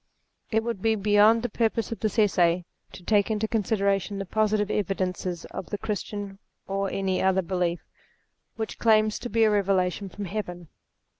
It would be beyond the purpose of this Essay, to take into consideration the positive evidences of the Christian, or any other belief, which claims to be a revelation from Heaven.